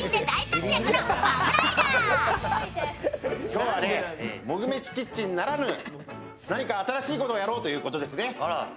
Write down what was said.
今日は「モグ飯キッチン」ならぬ、何か新しいことをやろうということですね。